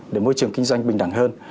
để môi trường kinh doanh bình đẳng hơn